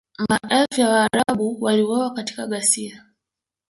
Maelfu ya Waarabu waliuawa katika ghasia